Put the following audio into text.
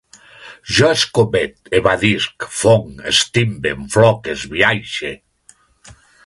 Jo escomet, evadisc, fonc, estimbe, enfloque, esbiaixe